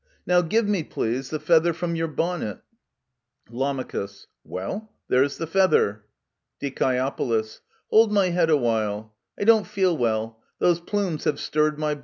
Now give me, please, the feather from your bonnet Lam. Well, there's the feather. Die. Hold my head awhile ; I don't feel well — those plumes have stirred my bile